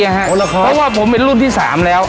เพราะว่าผมเป็นรุ่นที่๓แล้ว